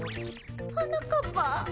はなかっぱ。